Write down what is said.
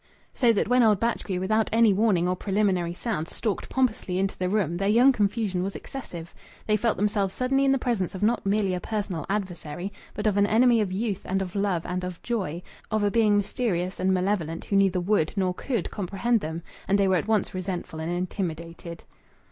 So that when old Batchgrew, without any warning or preliminary sound, stalked pompously into the room their young confusion was excessive. They felt themselves suddenly in the presence of not merely a personal adversary, but of an enemy of youth and of love and of joy of a being mysterious and malevolent who neither would nor could comprehend them. And they were at once resentful and intimidated.